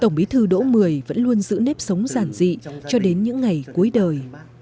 tổng bí thư đỗ mười vẫn luôn giữ nếp sống giản dị cho đến những ngày cuối đời